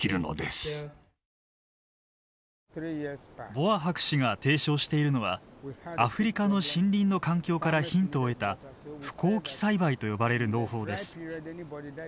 ボア博士が提唱しているのはアフリカの森林の環境からヒントを得た不耕起栽培と呼ばれる農法です。